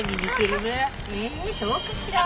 えそうかしら？